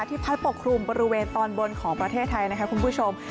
พัดปกครุมบริเวณตอนบนของประเทศไทยนะคะคุณผู้ชม